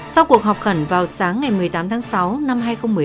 sau cuộc họp khẩn vào sáng ngày một mươi tám tháng sáu năm hai nghìn một mươi ba